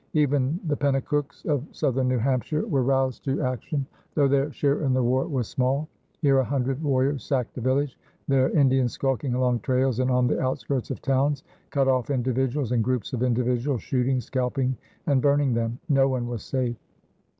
Even the Pennacooks of southern New Hampshire were roused to action, though their share in the war was small. Here a hundred warriors sacked a village; there Indians skulking along trails and on the outskirts of towns cut off individuals and groups of individuals, shooting, scalping, and burning them. No one was safe.